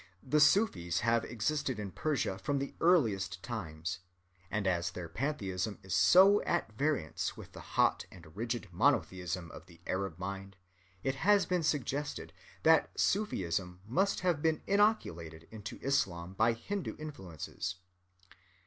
The Sufis have existed in Persia from the earliest times, and as their pantheism is so at variance with the hot and rigid monotheism of the Arab mind, it has been suggested that Sufism must have been inoculated into Islam by Hindu influences.